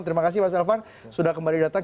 terima kasih mas elvan sudah kembali datang